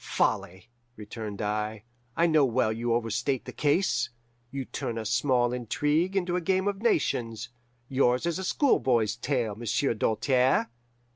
"'Folly!' returned I. 'I know well you overstate the case. You turn a small intrigue into a game of nations. Yours is a schoolboy's tale, Monsieur Doltaire.